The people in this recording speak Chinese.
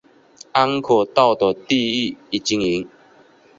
安可道的地域经营。